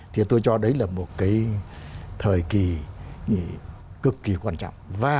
thì tôi cho đấy là một cái thời kỳ cực kỳ quan trọng